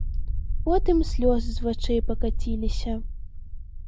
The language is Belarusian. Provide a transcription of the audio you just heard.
Потым слёзы з вачэй пакаціліся.